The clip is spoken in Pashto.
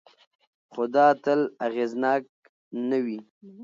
خو دا تل اغېزناک نه وي.